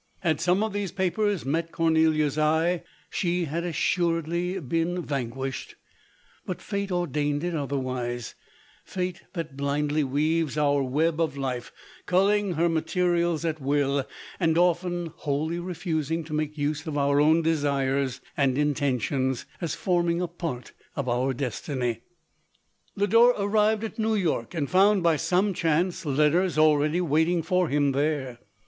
Had some of these papers met Cornelia's eye, she had assuredly been van quished ; but fate ordained it otherwise : fate that blindly weaves our web of life, culling her materials at will, and often wholly refusing to make use of our own desires and intentions, as forming a part of our destiny. Lodore arrived at New York, and found, by some chance, letters already waiting for him there.